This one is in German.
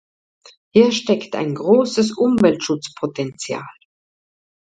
Hier steckt ein großes Umweltschutzpotential.